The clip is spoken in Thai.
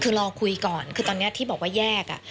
คือรอคุยก่อนคือตอนนี้ที่บอกว่าแยก